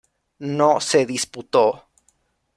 No se disputó.